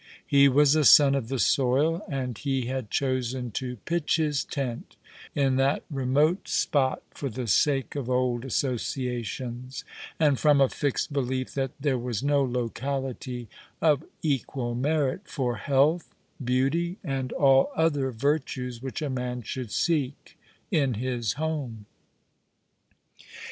He was a sou of the soil, and he had chosen to pitch his tent in that remote spot for the sake of old associations, and from a fixed belief that there was no locality of equal merit for health, beauty, and all other virtues which a man should seek in his home.